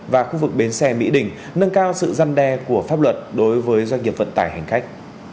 và khu vực bến xe mỹ đình nâng cao sự răn đe của pháp luật đối với doanh nghiệp vận tải hành khách